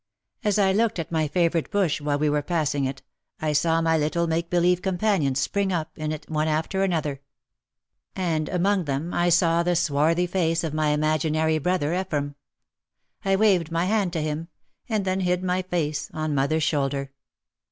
As I looked at my favourite bush while we were passing it, I saw my little make believe companions spring up in it one after another. And among them I saw the swarthy 4 6 OUT OF THE SHADOW face of my imaginary brother Ephraim. I waved my hand to him, and then hid my face on mother's shoulder.